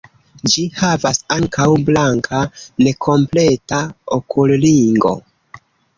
Ĝi havas ankaŭ blanka nekompleta okulringo.